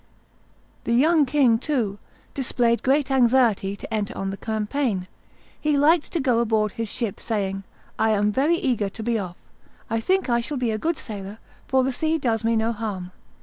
'" The young king, too, displayed great anxiety to enter on the campaign. He liked to go aboard his ship, saying, "I am very eager to be off; I think I shall be a good sailor, for the sea does me no harm."